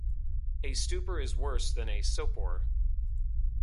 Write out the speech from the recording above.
A stupor is worse than a sopor.